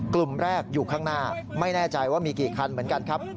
กลุ่มแรกอยู่ข้างหน้าไม่แน่ใจว่ามีกี่คันเหมือนกันครับ